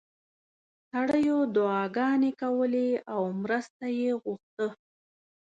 سړیو دعاګانې کولې او مرسته یې غوښته.